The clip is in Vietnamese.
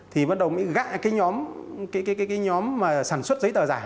thì bắt đầu gã nhóm sản xuất giấy tờ giả